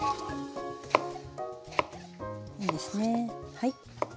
いいですねはい。